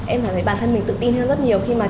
em cảm thấy bản thân mình tự tin hơn rất nhiều khi mà